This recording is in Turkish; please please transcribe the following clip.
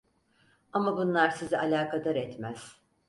Ama bunlar sizi alakadar etmez…